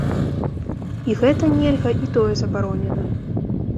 І гэта нельга, і тое забаронена.